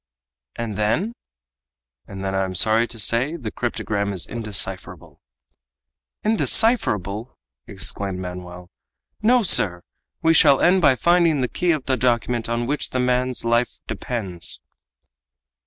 "And then?" "And then, I am sorry to say, the cryptogram is indecipherable." "Indecipherable!" exclaimed Manoel. "No, sir; we shall end by finding the key of the document on which the man's life depends."